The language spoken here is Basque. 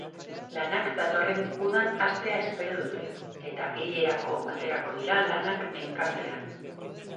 Lanak datorren udan hastea espero dute, eta apririlerako aterako dira lanak enkantean.